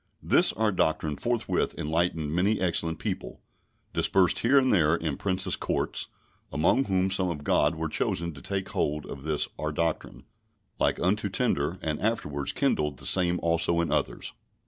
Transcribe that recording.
This our Doctrine forthwith enlightened many excellent people, dispersed here and there in Princes' courts, among whom some of God were chosen to take hold on this our doctrine, like unto tinder, and afterwards kindled the same also in others.